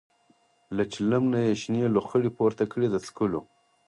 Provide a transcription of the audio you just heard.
له چلم نه یې شنې لوخړې پورته کړې د څکلو.